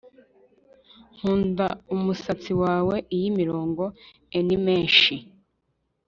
nkunda umusatsi wawe iyo imirongo enmesh